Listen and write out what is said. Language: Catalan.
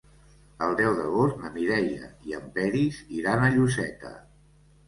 El deu d'agost na Mireia i en Peris iran a Lloseta.